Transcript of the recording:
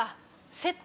セット？